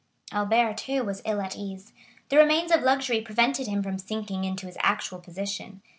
Albert, too, was ill at ease; the remains of luxury prevented him from sinking into his actual position.